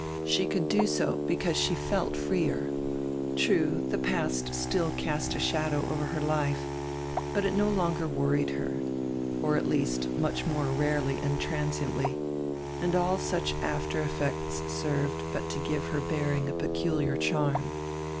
She could do so because she felt freer. True, die past still cast a shadow over her life, hut it no longer worried her, or at least much more rarely and transiently, and all such after effects served hut to give her bearing a peculiar charm.